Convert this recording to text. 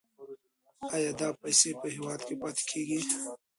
آیا دا پیسې په هیواد کې پاتې کیږي؟